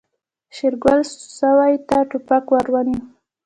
شېرګل سوی ته ټوپک ور ونيو.